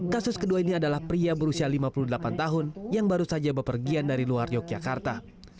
kasus kedua ini adalah pria berusia lima puluh delapan tahun yang baru saja bepergian dari luar yogyakarta